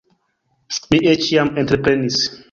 Mi eĉ jam entreprenis.